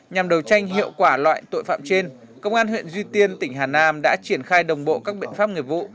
nhằm đầu tranh hiệu quả loại tội phạm trên công an huyện duy tiên tỉnh hà nam đã triển khai đồng bộ các biện pháp nghiệp vụ